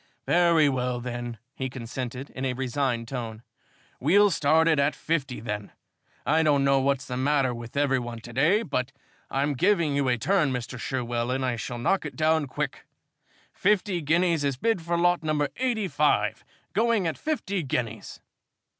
"Very well, then," he consented, in a resigned tone, "we'll start it at fifty, then. I don't know what's the matter with every one to day, but I'm giving you a turn, Mr. Sherwell, and I shall knock it down quick. Fifty guineas is bid for lot number 85. Going at fifty guineas!"